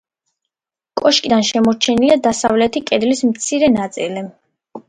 კოშკიდან შემორჩენილია დასავლეთი კედლის მცირე ნაწილი.